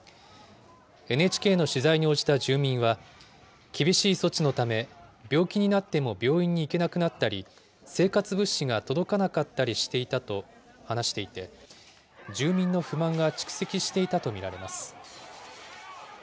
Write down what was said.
ＮＨＫの取材に応じた住民は、厳しい措置のため、病気になっても病院に行けなくなったり、生活物資が届かなかったりしていたと話していて、住民の不満が蓄積していたと見られます。